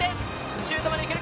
シュートまで来るか？